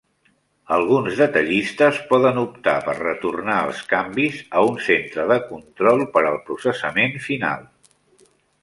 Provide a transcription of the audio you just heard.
Alguns detallistes poden optar per retornar els canvis a un centre de control per al processament final.